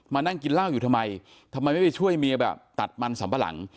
นั่งกินเหล้าอยู่ทำไมทำไมไม่ไปช่วยเมียแบบตัดมันสัมปะหลัง